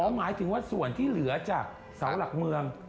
หมายถึงว่าส่วนที่เหลือจากเสาหลักเมือง